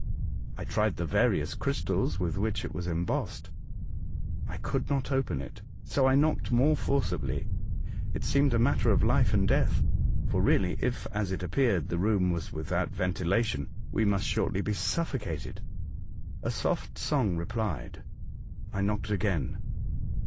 I tried the various crystals with which it was embossed. I could not open it, so I knocked more forcibly. It seemed a matter of life and death, for really, if, as it appeared, the room was without ventila tion, we must shortly be suffocated. A soft song replied. I knocked again.